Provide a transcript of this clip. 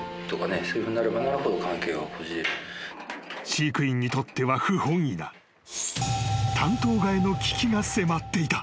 ［飼育員にとっては不本意な担当替えの危機が迫っていた］